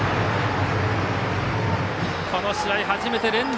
この試合初めて連打。